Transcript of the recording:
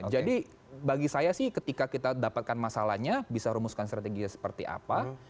jadi bagi saya sih ketika kita dapatkan masalahnya bisa rumuskan strategi seperti apa